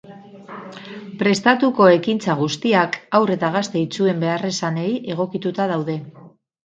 Prestatuko ekintza guztiak haur eta gazte itsuen beharrizanei egokituta daude.